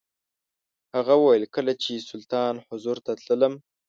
هغه وویل کله چې سلطان حضور ته تللم.